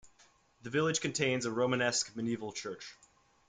The village contains a Romanesque medieval church.